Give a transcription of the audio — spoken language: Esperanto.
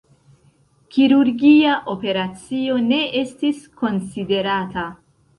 Kirurgia operacio ne estis konsiderata.